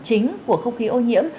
chính của không khí ô nhiễm